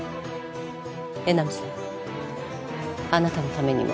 江波さんあなたのためにも。